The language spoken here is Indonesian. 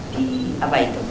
di apa itu